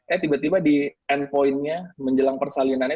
eh tiba tiba di end point nya menjelang persalinannya